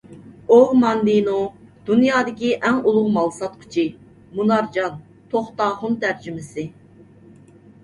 ئوگ ماندىنو: «دۇنيادىكى ئەڭ ئۇلۇغ مال ساتقۇچى»، مۇنارجان توختاخۇن تەرجىمىسى